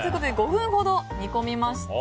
５分ほど煮込みました。